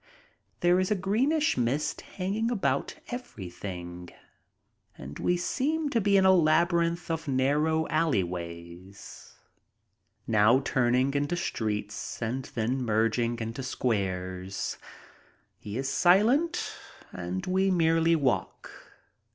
There is a greenish mist hang ing about everything and we seem to be in a labyrinth of narrow alleyways, now turning into streets and then merging into squares. He is silent and we merely walk.